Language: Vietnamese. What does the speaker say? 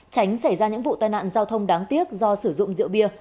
tránh xảy ra những vụ tai nạn giao thông đáng tiếc do sử dụng rượu bia